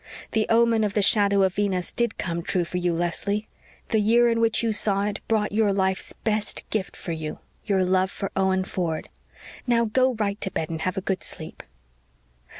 The omen of the shadow of Venus did come true for you, Leslie. The year in which you saw it brought your life's best gift for you your love for Owen Ford. Now, go right to bed and have a good sleep."